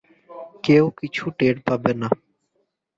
কেউ কিছু টের পাবে না।